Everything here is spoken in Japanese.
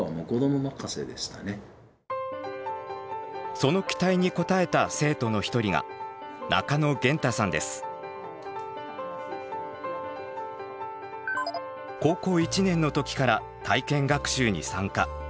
その期待に応えた生徒の一人が高校１年の時から体験学習に参加。